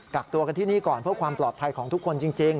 กักตัวกันที่นี่ก่อนเพื่อความปลอดภัยของทุกคนจริง